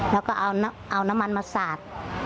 แล้วก็เอาน้ำมันมาสาด